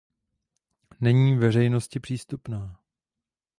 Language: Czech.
Není veřejnosti přístupná.